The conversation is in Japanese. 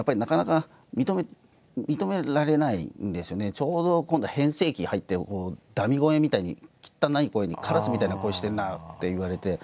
ちょうど今度は変声期に入ってだみ声みたいにきったない声に「カラスみたいな声してんなあ」って言われて。